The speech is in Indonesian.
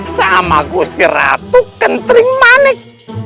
sama gusti ratu kentring manik